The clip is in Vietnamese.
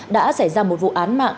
đã xảy ra một vụ án mạng